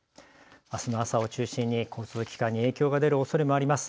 あすの朝を中心に交通機関に影響が出るおそれもあります。